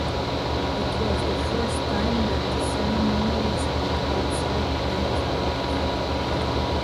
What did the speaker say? It was the first time that the ceremony was held outside Buenos Aires.